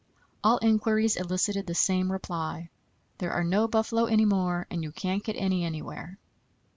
All inquiries elicited the same reply: "There are no buffalo any more, and you can't get any anywhere."